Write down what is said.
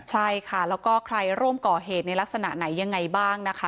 ใช่ค่ะแล้วก็ใครร่วมก่อเหตุในลักษณะไหนยังไงบ้างนะคะ